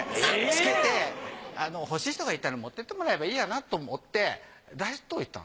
欲しい人がいたら持ってってもらえばいいやなと思って出しといたの。